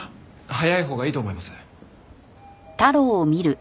早いほうがいいと思います。